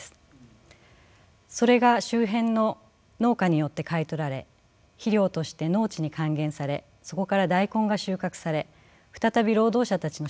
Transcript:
それが周辺の農家によって買い取られ肥料として農地に還元されそこから大根が収穫され再び労働者たちの食卓に上る。